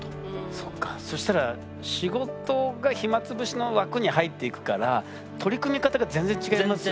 そっかそしたら仕事が暇つぶしの枠に入っていくから取り組み方が全然違いますね。